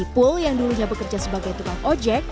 ipul yang dulunya bekerja sebagai tukang ojek